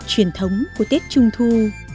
truyền thống của tết trung thu